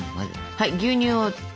はい。